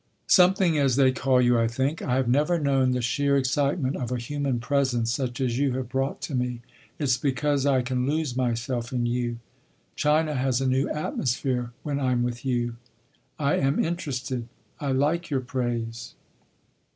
"Something as they call you, I think. I have never known the sheer excitement of a human presence such as you have brought to me. It’s because I can lose myself in you. China has a new atmosphere when I’m with you—" "I am interested. I like your praise."